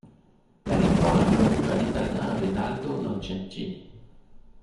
La victoire est revenue à l'Italien Rinaldo Nocentini.